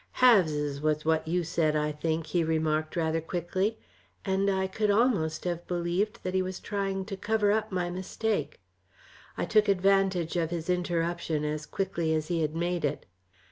"'Halves' was what you said, I think," he remarked, rather quickly, and I could almost have believed that he was trying to cover up my mistake. I took advantage of his interruption as quickly as he had made it.